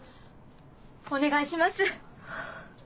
お願いします！